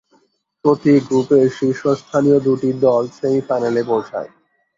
প্রতি গ্রুপের শীর্ষস্থানীয় দু'টি দল সেমি-ফাইনালে পৌঁছায়।